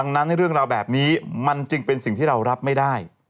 ดังนั้นเรื่องราวแบบนี้มันจึงเป็นสิ่งที่เรารับไม่ได้